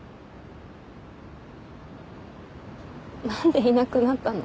なんでいなくなったの？